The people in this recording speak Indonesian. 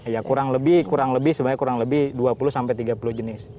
ya kurang lebih kurang lebih sebenarnya kurang lebih dua puluh sampai tiga puluh jenis